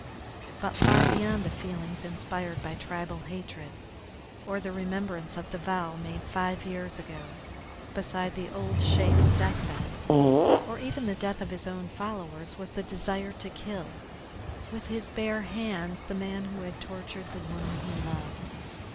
But far beyond the feelings inspired by tribal hatred or the remembrance of the vow made five years ago beside the old Sheik's deathbed, or even the death of his own followers, was the desire to kill, with his bare hands, the man who had tortured the woman he loved.